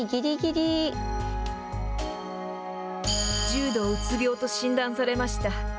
重度うつ病と診断されました。